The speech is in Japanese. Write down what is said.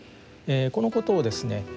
このことをですね